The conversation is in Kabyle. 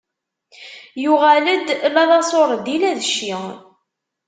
Yuɣal-d, la d aṣuṛdi, la d cci.